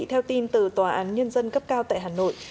theo tin từ tòa án nhân dân cấp cao tại hà nội